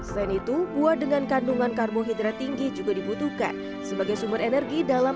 selain itu buah dengan kandungan karbohidrat tinggi juga dibutuhkan sebagai sumber energi dalam